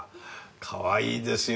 かわいいですよ